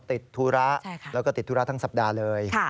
ธุระแล้วก็ติดธุระทั้งสัปดาห์เลย